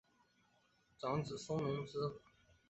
长子封隆之。